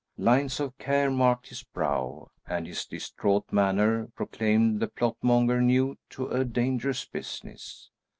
Lines of care marked his brow, and his distraught manner proclaimed the plot monger new to a dangerous business.